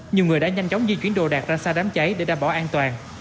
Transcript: nhiều người đã nhanh chóng di chuyển đồ đạc ra xa đám cháy để đảm bảo an toàn